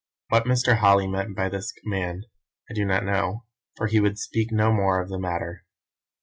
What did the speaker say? "What Mr. Holly meant by this 'command' I do not know, for he would speak no more of the matter.